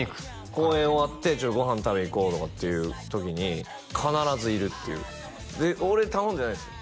公演終わってちょっとご飯食べに行こうとかっていう時に必ずいるっていうで俺頼んでないですよ